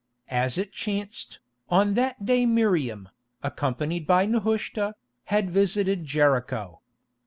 As it chanced, on that day Miriam, accompanied by Nehushta, had visited Jericho.